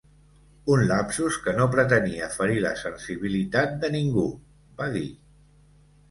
Un lapsus que no pretenia ferir la sensibilitat de ningú, va dir.